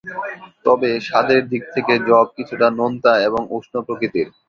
তবে স্বাদের দিক থেকে যব কিছুটা নোনতা এবং উষ্ণ প্রকৃতির।